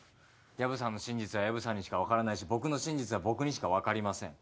「薮さんの真実は薮さんにしか分からないし僕の真実は僕にしか分かりません」